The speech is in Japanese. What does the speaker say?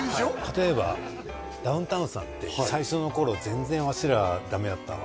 例えばダウンタウンさんって「最初の頃全然わしらダメやったわ」